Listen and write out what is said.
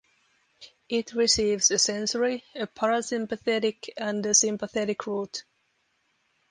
It receives a sensory, a parasympathetic, and a sympathetic root.